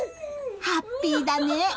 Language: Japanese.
ハッピーだね。